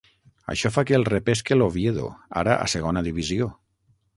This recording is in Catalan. Això fa que el repesque l'Oviedo, ara a Segona Divisió.